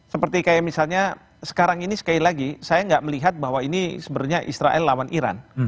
seperti kayak misalnya sekarang ini sekali lagi saya nggak melihat bahwa ini sebenarnya israel lawan iran